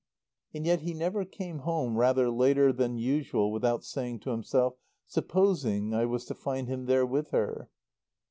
And yet he never came home rather later than usual without saying to himself, "Supposing I was to find him there with her?"